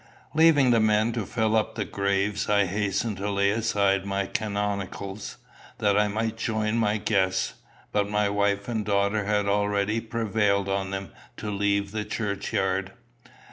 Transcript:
Leaving the men to fill up the graves, I hastened to lay aside my canonicals, that I might join my guests; but my wife and daughter had already prevailed on them to leave the churchyard.